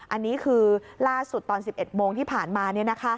อันนี้คือล่าสุดตอน๑๑โมงที่ผ่านมา